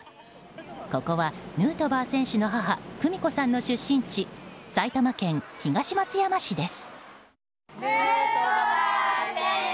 ここはヌートバー選手の母久美子さんの出身地埼玉県東松山市です。